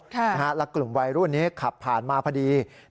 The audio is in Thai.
แล้วกลุ่มวัยรุ่นนี้ขับผ่านมาพอดี